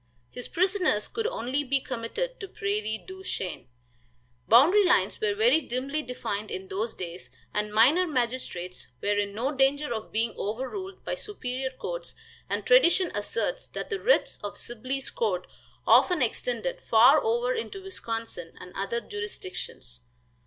His prisoners could only be committed to Prairie du Chien. Boundary lines were very dimly defined in those days, and minor magistrates were in no danger of being overruled by superior courts, and tradition asserts that the writs of Sibley's court often extended far over into Wisconsin and other jurisdictions.